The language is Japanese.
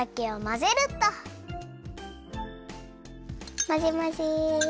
まぜまぜ。